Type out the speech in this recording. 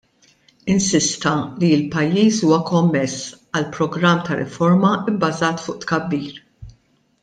Insista li l-pajjiż huwa kommess għal program ta' riforma bbażat fuq tkabbir.